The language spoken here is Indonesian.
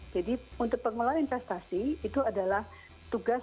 untuk pengelolaan investasi itu adalah tugas